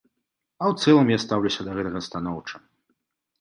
А ў цэлым я стаўлюся да гэтага станоўча.